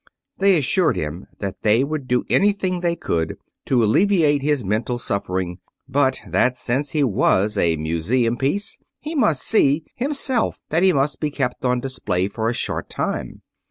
They assured him that they would do anything they could to alleviate his mental suffering, but that since he was a museum piece he must see, himself, that he must be kept on display for a short time.